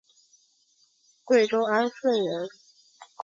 贵州安顺人。